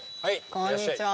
こんにちは。